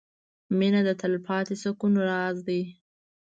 • مینه د تلپاتې سکون راز دی.